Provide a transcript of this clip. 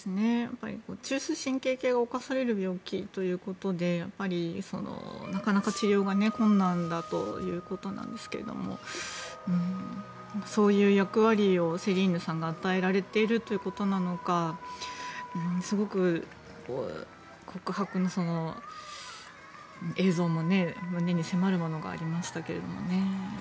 中枢神経系が侵される病気ということでやっぱりなかなか治療が困難だということなんですけどそういう役割をセリーヌさんが与えられているということなのかすごく告白の映像も、胸に迫るものがありましたけどね。